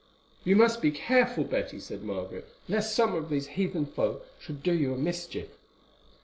"You must be careful, Betty," said Margaret, "lest some of these heathen folk should do you a mischief."